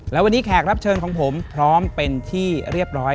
และวันนี้แขกรับเชิญของผมพร้อมเป็นที่เรียบร้อย